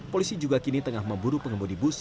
polisi juga kini tengah memburu pengemudi bus